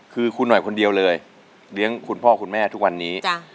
คือคุณหน่อยคนเดียวเลยเลี้ยงคุณพ่อคุณแม่ทุกวันนี้